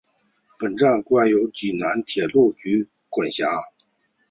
本站现由济南铁路局管辖。